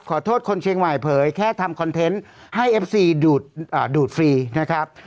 ขอโทษคนเชียงใหม่เผยแค่ทำคอนเทนต์ให้เอฟซีดูดฟรีนะครับ